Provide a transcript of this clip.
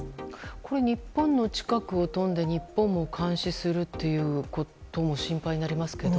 これ、日本の近くを飛んで日本も監視するということも心配になりますけど。